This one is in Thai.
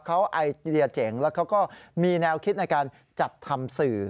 เขาไอเดียเจ๋งแล้วเขาก็มีแนวคิดในการจัดทำสื่อ